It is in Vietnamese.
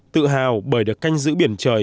tự hào bởi được canh giữ biển trời